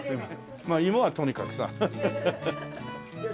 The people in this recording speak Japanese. まあ芋はとにかくさハハハハ。